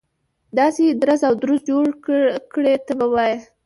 داسې درز او دروز جوړ کړي ته به وایي.